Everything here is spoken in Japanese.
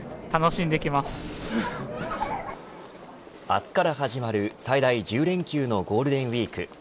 明日から始まる最大１０連休のゴールデンウイーク。